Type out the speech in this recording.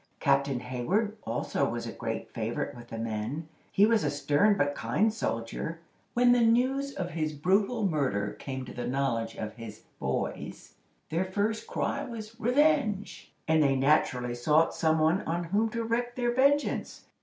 Captain Hayward also was a great favorite with the men. He was a stern but kind soldier. When the news of his brutal murder came to the knowledge of his "boys," their first cry was "revenge," and they naturally sought some one on whom to wreak their vengeance.